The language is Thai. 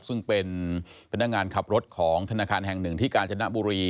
ซึ่งเป็นพนักงานขับรถของธนาคารแห่งหนึ่งที่กาญจนบุรี